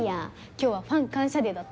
今日はファン感謝デーだったの。